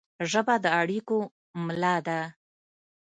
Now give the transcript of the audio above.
ژبه د اړیکو ملا ده